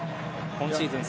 今シーズン